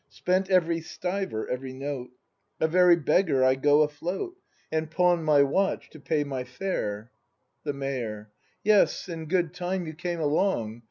Spent every stiver, every note; — A very beggar I go afloat. And pawn my watch to pay my fare! 58 BRAND [act ii The Mayor. Yes, in good time you came along.